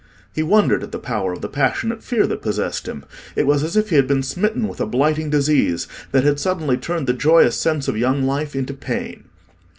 He wondered at the power of the passionate fear that possessed him. It was as if he had been smitten with a blighting disease that had suddenly turned the joyous sense of young life into pain.